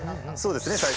そうですね。